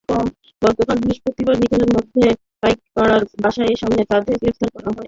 গতকাল বৃহস্পতিবার বিকেলে মধ্য পাইকপাড়ার বাসার সামনে থেকে তাঁকে গ্রেপ্তার করা হয়।